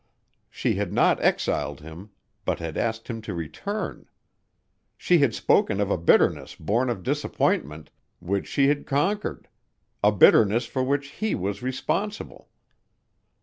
She had not exiled him but had asked him to return. She had spoken of a bitterness born of disappointment, which she had conquered: a bitterness for which he was responsible.